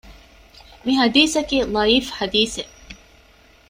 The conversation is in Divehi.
މިޙަދީޘަކީ ޟަޢީފު ޙަދީޘެއް